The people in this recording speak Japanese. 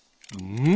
うん。